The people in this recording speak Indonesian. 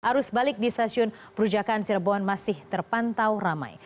arus balik di stasiun perujakan cirebon masih terpantau ramai